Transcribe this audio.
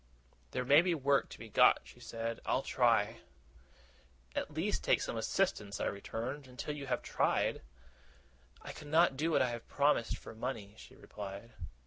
'There may be work to be got,' she said. 'I'll try.' 'At least take some assistance,' I returned, 'until you have tried.' 'I could not do what I have promised, for money,' she replied.